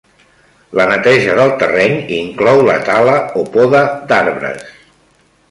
La neteja del terreny inclou la tala o poda d'arbres.